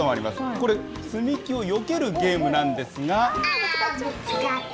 これ、積み木をよけるゲームなんですが。